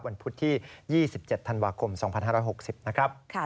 พุธที่๒๗ธันวาคม๒๕๖๐นะครับ